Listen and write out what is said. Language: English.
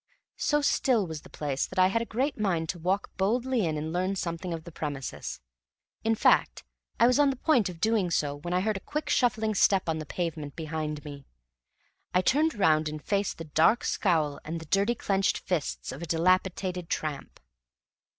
So still was the place that I had a great mind to walk boldly in and learn something of the premises; in fact, I was on the point of doing so, when I heard a quick, shuffling step on the pavement behind me. I turned round and faced the dark scowl and the dirty clenched fists of a dilapidated tramp.